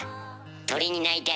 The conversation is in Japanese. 鳥になりたい？